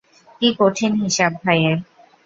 কী কঠিন হিসাব, ভাইয়ের!